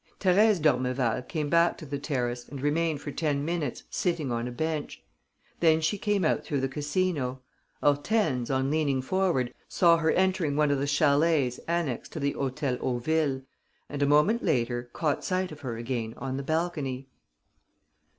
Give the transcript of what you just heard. Thérèse d'Ormeval came back to the terrace and remained for ten minutes sitting on a bench. Then she came out through the casino. Hortense, on leaning forward, saw her entering one of the chalets annexed to the Hôtel Hauville and, a moment later, caught sight of her again on the balcony.